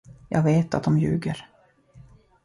Jag vet att de ljuger.